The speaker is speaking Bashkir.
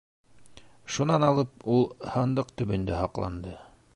Шунан алып ул һандыҡ төбөндә һаҡланды.